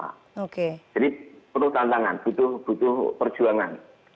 jadi perlu tantangan butuh perjuangan